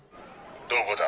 どこだ？